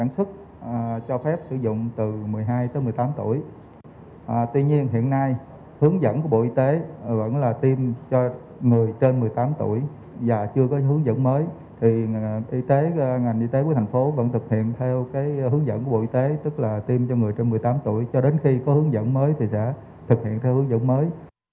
tuy nhiên hiện nay hướng dẫn của bộ y tế vẫn là tiêm cho người trên một mươi tám tuổi và chưa có hướng dẫn mới thì ngành y tế tp hcm vẫn thực hiện theo hướng dẫn của bộ y tế tức là tiêm cho người trên một mươi tám tuổi cho đến khi có hướng dẫn mới thì sẽ thực hiện theo hướng dẫn mới